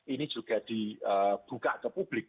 ini juga dibuka ke publik